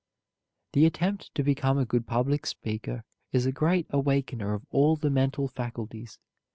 The attempt to become a good public speaker is a great awakener of all the mental faculties.